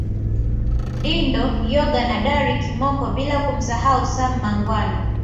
Dindo Yogo na Dally Kimoko bila kumsahau Sam Mangwana